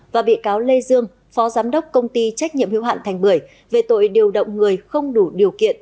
và bị cáo lê dương phó giám đốc công ty trách nhiệm hữu hạn thành bưởi về tội điều động người không đủ điều kiện